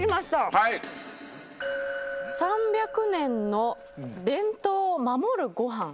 「３００年の伝統を守るゴハン」。